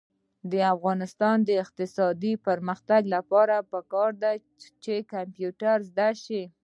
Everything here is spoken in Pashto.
د افغانستان د اقتصادي پرمختګ لپاره پکار ده چې کمپیوټر زده شي.